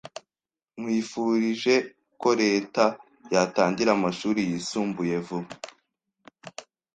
Nkwifurije ko Leta yatangira amashuri yisumbuye vuba.